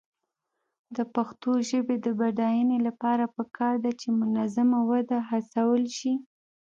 د پښتو ژبې د بډاینې لپاره پکار ده چې منظمه وده هڅول شي.